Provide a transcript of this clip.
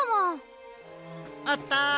あった！